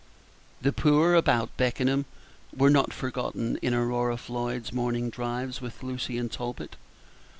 The poor about Beckenham were not forgotten in Aurora Floyd's morning drives with Lucy and Talbot.